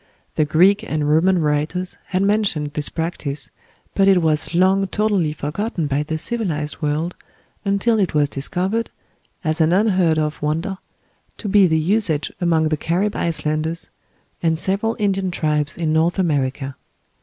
The Greek and Roman writers had mentioned this practice, but it was long totally forgotten by the civilized world, until it was discovered, as an unheard of wonder, to be the usage among the Carib Islanders, and several Indian tribes in North America.